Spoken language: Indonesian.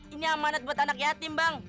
ini amanat buat anak yatim bang